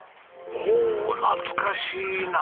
おお懐かしいな！